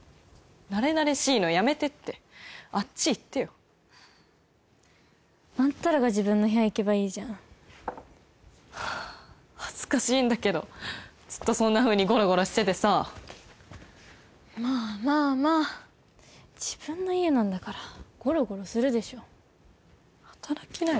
なれなれしいのやめてってあっち行ってよあんたらが自分の部屋行けばいいじゃんはあ恥ずかしいんだけどずっとそんなふうにゴロゴロしててさまあまあまあ自分の家なんだからゴロゴロするでしょ働きなよ